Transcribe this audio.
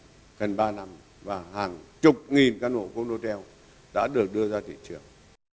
gần ba năm và hàng chục nghìn căn hộ condotel đã được đưa ra thị trường